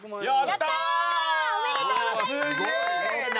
おめでとうございます！